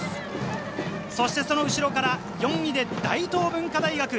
その後ろから４位で大東文化大学。